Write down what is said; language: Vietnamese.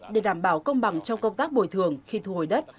để đảm bảo công bằng trong công tác bồi thường khi thu hồi đất